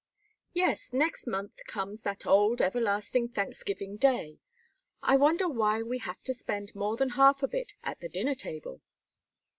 "Yes, next month comes that old, everlasting Thanksgiving day. I wonder why we have to spend more than half of it at the dinner table!"